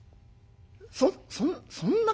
「そそんな顔？